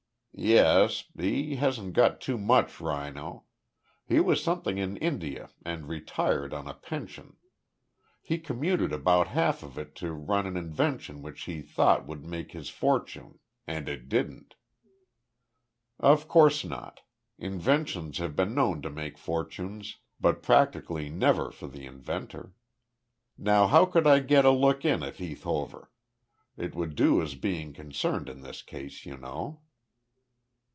"Yes. He's hasn't got too much rhino. He was something in India and retired on a pension. He commuted about half of it to run an invention which he thought would make his fortune, and it didn't." "Of course not. Inventions have been known to make fortunes, but practically never for the inventor. Now how could I get a look in at Heath Hover? It wouldn't do as being concerned in this case, you know."